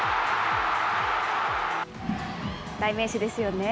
代名詞ですよね。